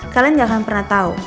kalian gak akan pernah tahu